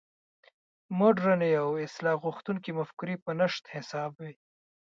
مډرنې او اصلاح غوښتونکې مفکورې په نشت حساب وې.